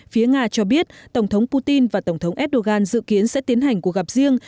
phía nga cho biết tổng thống putin và tổng thống erdogan dự kiến sẽ tiến hành cuộc gặp riêng